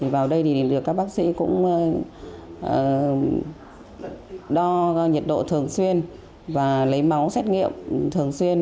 vào đây thì được các bác sĩ cũng đo nhiệt độ thường xuyên và lấy máu xét nghiệm thường xuyên